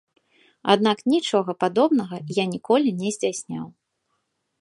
Аднак нічога падобнага я ніколі не здзяйсняў.